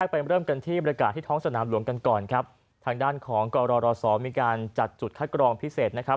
ไปเริ่มกันที่บริการที่ท้องสนามหลวงกันก่อนครับทางด้านของกรรศมีการจัดจุดคัดกรองพิเศษนะครับ